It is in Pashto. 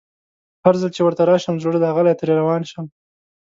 هرځل چي ورته راشم زړه داغلی ترې روان شم